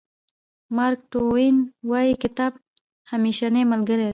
مارک ټواین وایي کتاب همېشنۍ ملګری دی.